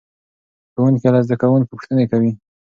ښوونکی له زده کوونکو پوښتنې کوي.